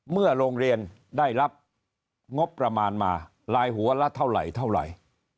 เมื่อโรงเรียนได้รับงบประมาณมาลายหัวละเท่าไหร่เท่าไหร่